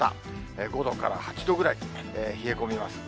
５度から８度ぐらいと冷え込みます。